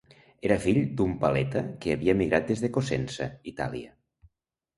Era fill d'un paleta que havia emigrat des de Cosenza, Itàlia.